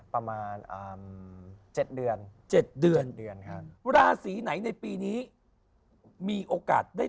ประมาณ๗เดือน๗เดือนเดือนครับราศีไหนในปีนี้มีโอกาสได้